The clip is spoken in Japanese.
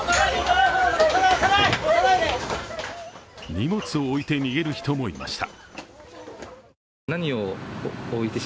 荷物を置いて逃げる人もいました。